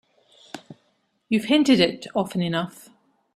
You've hinted it often enough.